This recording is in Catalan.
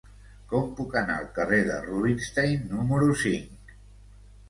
Com puc anar al carrer de Rubinstein número cinc?